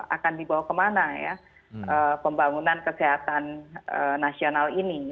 akan dibawa kemana ya pembangunan kesehatan nasional ini